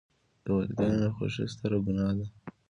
د والداینو ناخوښي ستره ګناه ده.